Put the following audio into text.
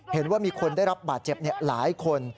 เห็นว่ามีคนได้รับบาดเจ็บหลายคน